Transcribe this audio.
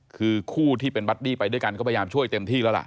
คือคู่ที่เป็นบัดดี้ไปด้วยกันก็พยายามช่วยเต็มที่แล้วล่ะ